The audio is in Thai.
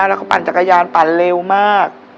แล้วเขาปั่นจักรยานปั่นเร็วมาก